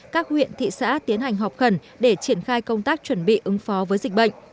các huyện thị xã tiến hành họp khẩn để triển khai công tác chuẩn bị ứng phó với dịch bệnh